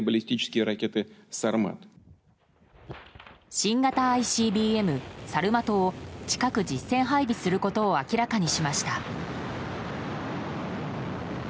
新型ＩＣＢＭサルマトを近く実戦配備することを明らかにしました。